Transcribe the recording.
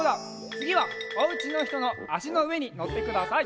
つぎはおうちのひとのあしのうえにのってください。